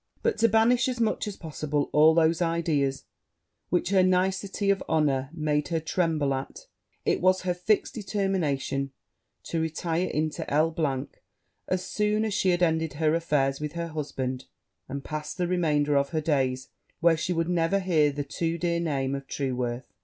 But, to banish as much as possible all those ideas which her nicety of honour made her tremble at, it was her fixed determination to retire into L e as soon as she had ended her affairs with her husband, and pass the remainder of her days, where she should never hear the too dear name of Trueworth.